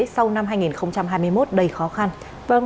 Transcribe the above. sau năm hai nghìn hai mươi một đầy khó khăn